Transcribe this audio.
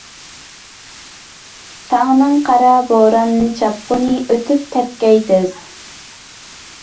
تاڭنىڭ قارا بوران-چاپقۇنى ئۆتۈپ كەتكەي تېز!